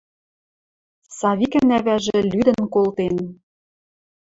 Савикӹн ӓвӓжӹ лӱдӹн колтен.